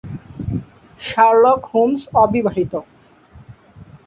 Sherlock Holmes অবিবাহিত।